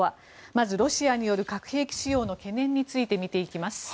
まずロシアによる核兵器使用の懸念について見ていきます。